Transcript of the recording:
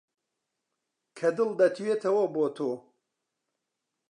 کە دڵ دەتوێتەوە بۆ تۆ